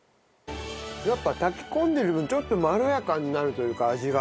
やっぱ炊き込んでる分ちょっとまろやかになるというか味が。